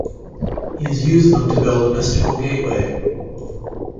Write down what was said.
He has used them to build a mystical gateway.